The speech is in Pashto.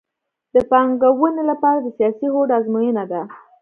د پانګونې لپاره د سیاسي هوډ ازموینه ده